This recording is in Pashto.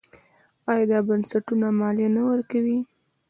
آیا دا بنسټونه مالیه نه ورکوي؟